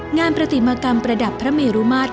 งานปฏิมากรรมประดับพระเมรุมาตร